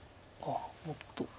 あっもっと。